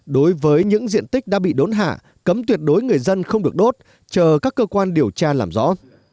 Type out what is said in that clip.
đối với những diện tích đã bị đốn hạ cấm tuyệt đối người dân không được đốt chờ các cơ quan điều tra làm rõ